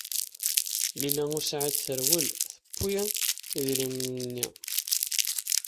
Lila u Saɛid terwel, tewwi idrimen-nni.